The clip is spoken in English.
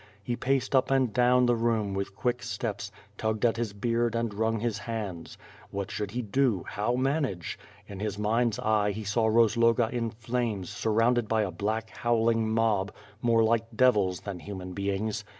He paced up and down the room with quick steps, tugged at his beard and rung his hands. What should he do^ how manage! In his mind's eye, he saw Rozloga in flames surrounded by a black howling mob more like devils than human beings.